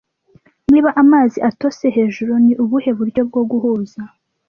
Niba amazi atose hejuru, ni ubuhe buryo bwo guhuza